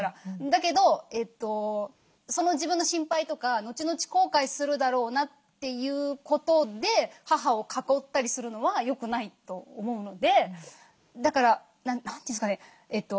だけどその自分の心配とかのちのち後悔するだろうなということで母を囲ったりするのは良くないと思うのでだから何て言うんですかね